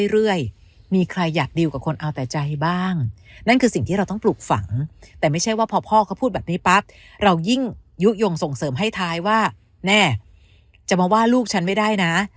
เรายิ่งยุ่งส่งเสริมให้ท้ายว่าแน่จะมาว่าลูกฉันไม่ได้นะ